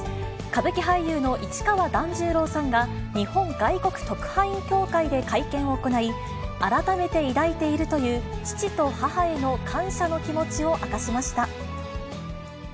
歌舞伎俳優の市川團十郎さんが、日本外国特派員協会で会見を行い、改めて抱いているという、父と母への感謝の気持ちを明かしました。